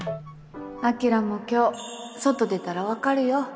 晶も今日外出たら分かるよ